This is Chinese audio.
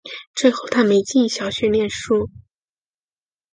最后她没进小学念书